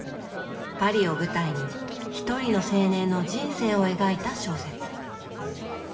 パリを舞台に一人の青年の人生を描いた小説。